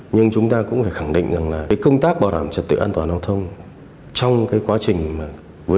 nhưng chúng ta cũng phải khẳng định rằng công tác bảo đảm trật tự an toàn giao thông